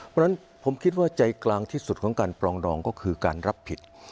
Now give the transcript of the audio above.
เพราะฉะนั้นผมคิดว่าใจกลางที่สุดของการปรองดองก็คือการรับผิด